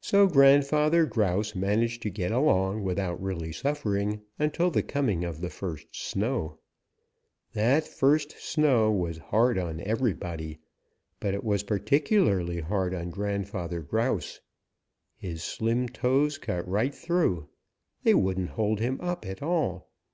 "So Grandfather Grouse managed to get along without really suffering until the coming of the first snow. That first snow was hard on everybody, but it was particularly hard on Grandfather Grouse. His slim toes cut right through. They wouldn't hold him up at all.